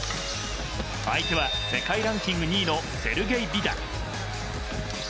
相手は世界ランキング２位のセルゲイ・ビダ。